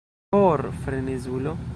For, frenezulo!